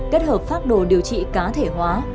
kết hợp phác đồ điều trị cá thể hóa